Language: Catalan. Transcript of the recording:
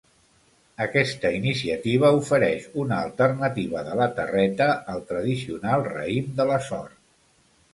Aquesta iniciativa ofereix una alternativa de la terreta al tradicional raïm de la sort.